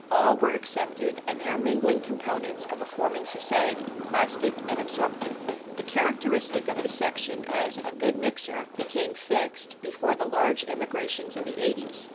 All were accepted and intermingling components of a forming society, plastic and absorptive. This characteristic of the section as "a good mixer" became fixed before the large immigrations of the eighties.